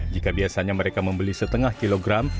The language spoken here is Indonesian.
jika biasanya mereka membeli setengah kilogram